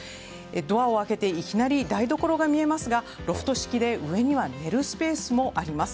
ドアを開けていきなり台所が見えますがロフト式で上には寝るスペースもあります。